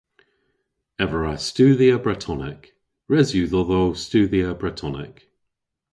Ev a wra studhya Bretonek. Res yw dhodho studhya Bretonek.